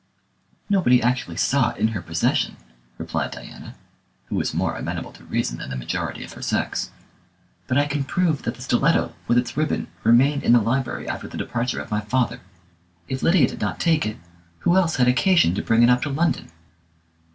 "Nobody actually saw it in her possession," replied Diana, who was more amenable to reason than the majority of her sex, "but I can prove that the stiletto, with its ribbon, remained in the library after the departure of my father. If Lydia did not take it, who else had occasion to bring it up to London?"